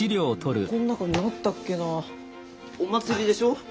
この中にあったっけなお祭りでしょ？